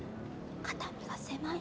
肩身が狭い。